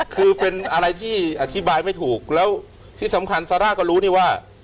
คือเป็นอะไรที่อธิบายไม่ถูกแล้วที่สำคัญซาร่าก็รู้นี่ว่า